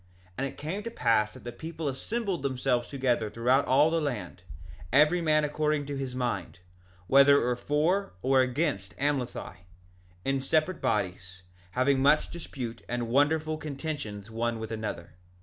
2:5 And it came to pass that the people assembled themselves together throughout all the land, every man according to his mind, whether it were for or against Amlici, in separate bodies, having much dispute and wonderful contentions one with another.